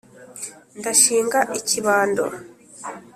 ndashinga ikibando